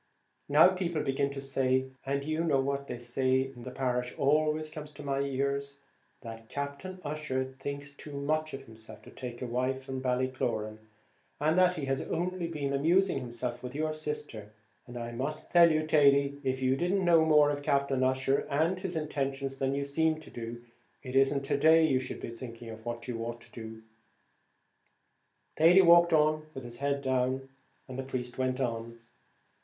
Now people begin to say and you know what they say in the parish always comes to my ears that Captain Ussher thinks too much of himself to take a wife from Ballycloran, and that he has only been amusing himself with your sister; and I must tell you, Thady, if you didn't know more of Captain Ussher and his intentions than you seem to do, it isn't to day you should be thinking what you ought to do." Thady walked on with his head down, and the priest went on.